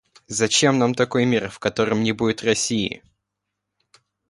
Зачем нам такой мир, в котором не будет России!